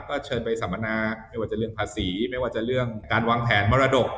ก็เชิญไปสัมมนาไม่ว่าจะเรื่องภาษีไม่ว่าจะเรื่องการวางแผนมรดก